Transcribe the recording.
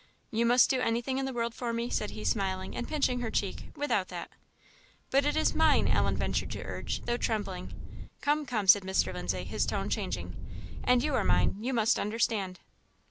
"You must do anything in the world for me," said he, smiling, and pinching her cheek, "without that." "But it is mine!" Ellen ventured to urge, though trembling. "Come, come!" said Mr. Lindsay, his tone changing, "and you are mine, you must understand."